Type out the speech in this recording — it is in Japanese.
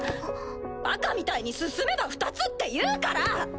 バカみたいに「進めば２つ」って言うから！